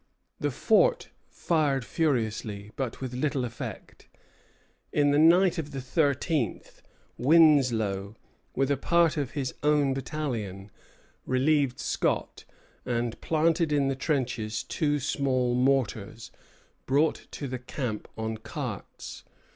The fort fired furiously, but with little effect. In the night of the thirteenth, Winslow, with a part of his own battalion, relieved Scott, and planted in the trenches two small mortars, brought to the camp on carts.